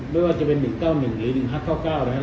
ไม่ว่าจะเป็นการ๑๙๑หรือ๑๙๑หรือ๑๕๙